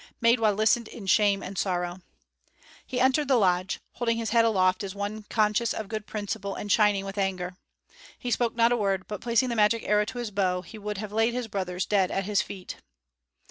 Maidwa listened in shame and sorrow. He entered the lodge, holding his head aloft as one conscious of good principle and shining with anger. He spoke not a word, but placing the magic arrow to his bow, he would have laid his brothers dead at his feet.